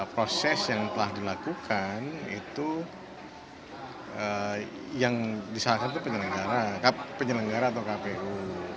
proses yang telah dilakukan itu yang disalahkan itu penyelenggara atau kpu